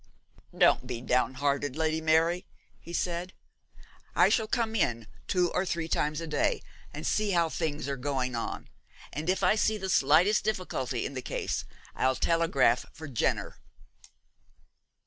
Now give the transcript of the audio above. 'Don't be downhearted, Lady Mary,' he said; 'I shall come in two or three times a day and see how things are going on, and if I see the slightest difficulty in the case I'll telegraph for Jenner.'